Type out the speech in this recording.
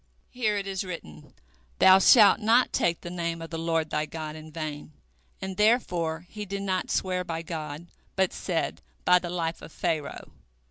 Here it is written, Thou shalt not take the name of the Lord thy God in vain, and therefore he did not swear by God, but said, By the life of Pharaoh.